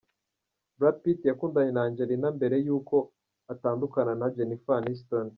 Brad Pitt yakundanye na Angelina mbere y’uko atandukana na Jennifer Aniston.